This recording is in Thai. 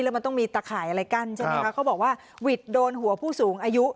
แล้วมันต้องมีตะข่ายอะไรกั้นใช่ไหมคะเขาบอกว่าวิทย์โดนหัวผู้สูงอายุ